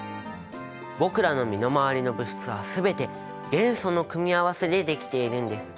僕らの身の回りの物質は全て元素の組み合わせで出来ているんです。